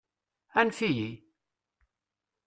Anef-iyi!